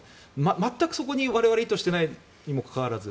全くそこに我々が意図していないにもかかわらず。